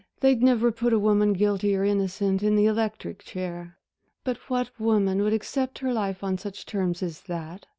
they'd never put a woman, guilty or innocent, in the electric chair. But what woman would accept her life on such terms as that?